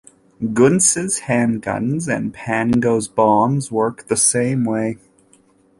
Guntz's handguns and Pango's bombs work the same way.